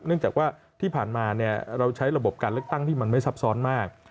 เนื่องจากว่าที่ผ่านมาเราใช้ระบบการเลือกตั้งที่มันไม่ซับซ้อนมาก